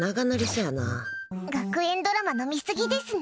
学園ドラマの見すぎですね。